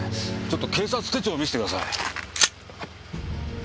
ちょっと警察手帳を見せてください。